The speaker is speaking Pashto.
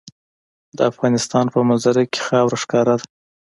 د افغانستان په منظره کې خاوره ښکاره ده.